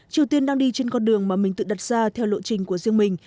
triều tiên đang đi trên con đường mà mình tự đặt ra theo lộ trình của riêng mình